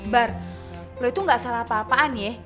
bar lu itu gak salah apa apaan ye